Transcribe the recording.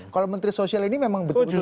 kalau menteri sosial ini memang betul betul